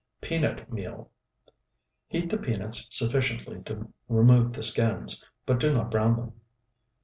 PEANUT MEAL Heat the peanuts sufficiently to remove the skins, but do not brown them.